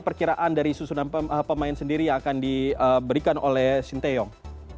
kira kiraan dari susunan pemain sendiri yang akan diberikan oleh sinteyong